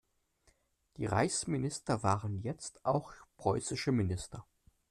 Die Reichsminister waren jetzt auch preußische Minister.